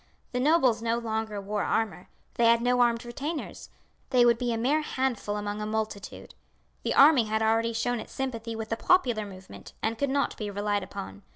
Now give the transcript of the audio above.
The nobles no longer wore armour, they had no armed retainers; they would be a mere handful among a multitude. The army had already shown its sympathy with the popular movement, and could not be relied upon.